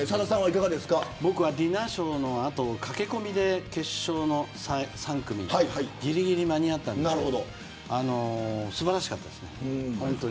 僕は、ディナーショーの後駆け込みで決勝の３組ぎりぎり間に合ったんですけど素晴らしかったですね。